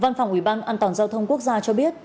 văn phòng ủy ban an toàn giao thông quốc gia cho biết